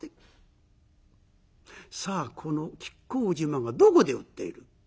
さあこの亀甲縞がどこで売っている。